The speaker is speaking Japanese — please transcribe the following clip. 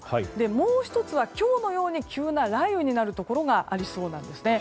もう１つは今日のように急な雷雨になるところがありそうです。